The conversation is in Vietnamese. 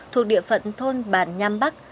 thuộc địa phận thôn bàn nham bắc